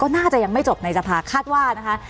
น่าจะยังไม่จบในสภาคาดว่านะคะ